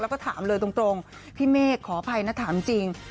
แล้วก็ถามเลยตรงพี่เมฆขออภัยนะถามจริง